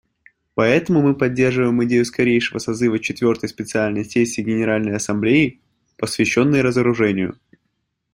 Поэтому мы поддерживаем идею скорейшего созыва четвертой специальной сессии Генеральной Ассамблеи, посвященной разоружению.